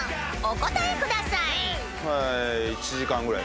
お答えください］